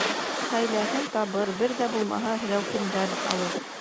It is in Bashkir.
— Хәйләһен табыр, бер ҙә булмаһа, һеләүһендән алыр.